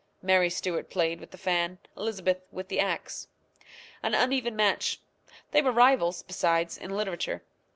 Mary Stuart played with the fan, Elizabeth with the axe. An uneven match. They were rivals, besides, in literature.